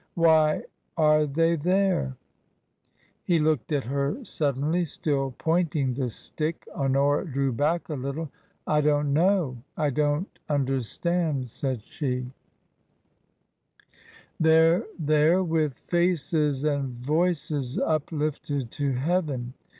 Why are they there ?" He looked at her suddenly, still pointing the stick. Honora drew back a little. " I don't know. I don't understand," said she. "They're there with faces and voices uplifted to heaven.